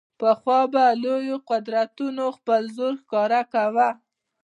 پخوا به لویو قوتونو خپل زور ښکاره کاوه.